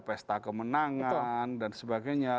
pesta kemenangan dan sebagainya